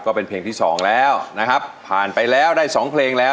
ก็เป็นเพลงที่สองแล้วนะครับผ่านไปแล้วได้สองเพลงแล้ว